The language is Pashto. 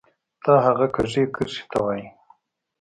تا هغه کږې کرښې ته وایې